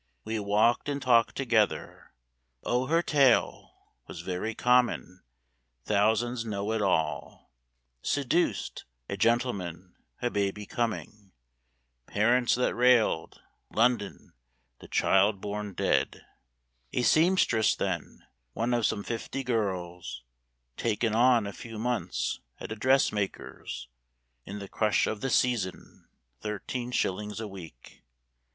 We walked and talked together. O her tale Was very common; thousands know it all! Seduced; a gentleman; a baby coming; Parents that railed; London; the child born dead; A seamstress then, one of some fifty girls "Taken on" a few months at a dressmaker's In the crush of the "season;" thirteen shillings a week!